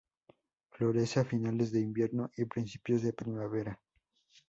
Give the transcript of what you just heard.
Florece a finales de invierno y principios de primavera.